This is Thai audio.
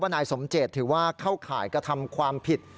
นายสมเจตถือว่าเข้าข่ายกระทำความผิด